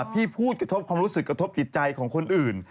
พี่พูดกระทบความรู้สึกกระทบจิตใจของคนอื่น